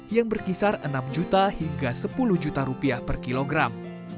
yang berkisar enam juta hingga sepuluh juta rupiah per kilogram